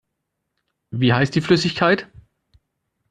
Wie heißt die Flüssigkeit?